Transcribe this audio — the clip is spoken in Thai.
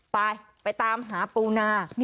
ไปไปตามหาปูนา